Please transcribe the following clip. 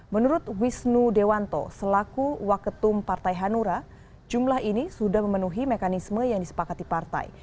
menurut wisnu dewanto selaku waketum partai hanura jumlah ini sudah memenuhi mekanisme yang disepakati partai